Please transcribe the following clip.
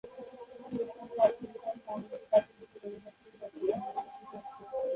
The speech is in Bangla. ইউরেশিয়ান পাত ফিলিপাইন সামুদ্রিক পাতের নিচে গড়িয়ে যাচ্ছে বলে এর দৈর্ঘ্য পরিবর্তিত হচ্ছে।